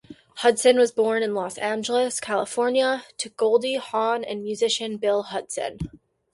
Hudson was born in Los Angeles, California, to Goldie Hawn and musician Bill Hudson.